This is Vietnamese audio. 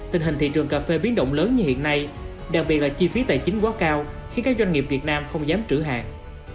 tình hình thị trường cà phê biến động lớn như hiện nay đặc biệt là chi phí tài chính quá cao khiến các doanh nghiệp việt nam không dám trữ hàng